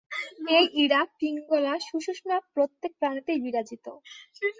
এই ইড়া, পিঙ্গলা, সুষুম্না প্রত্যেক প্রাণীতেই বিরাজিত।